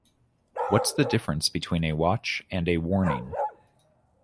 What's the difference between a watch and a warning?